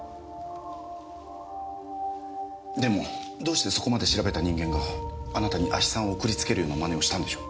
でもどうしてそこまで調べた人間があなたに亜ヒ酸を送りつけるような真似をしたんでしょう？